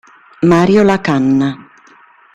Mario La Canna